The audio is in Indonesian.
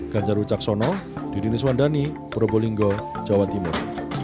ganjar wicaksono didinis wandani probolinggo jawa timur